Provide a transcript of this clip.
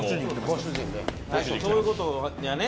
そういうことやね。